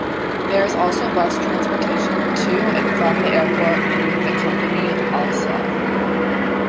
There is also bus transportation to and from the airport with the company Alsa.